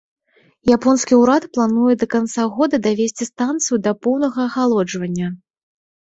Японскі ўрад плануе да канца года давесці станцыю да поўнага ахалоджвання.